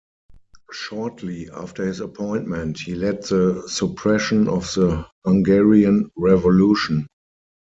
Shortly after his appointment he led the suppression of the Hungarian Revolution.